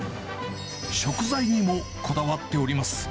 食材にもこだわっております。